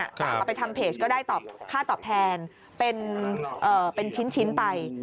เอาไปทำเพจก็ได้ตอบค่าตอบแทนเป็นชิ้นไป